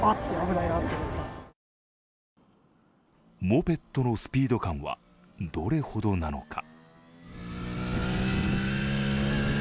モペットのスピード感はどれほどなのか。